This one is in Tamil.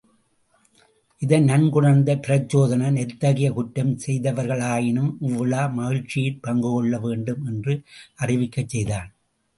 இதை நன்குணர்ந்த பிரச்சோதனன், எத்தகைய குற்றம் செய்தவர்களாயினும் இவ்விழா மகிழ்ச்சியிற் பங்குகொள்ள வேண்டும் என்று அறிவிக்கச் செய்தான்.